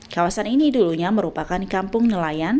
kawasan ini dulunya merupakan kampung nelayan